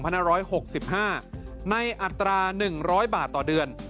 ปี๒๖๖๕ในอัตรา๑๐๐บาทต่อเดือน